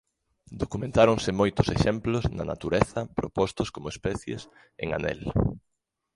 Documentáronse moitos exemplos na natureza propostos como especies en anel.